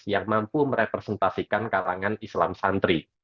yang mampu merepresentasikan kalangan islam santri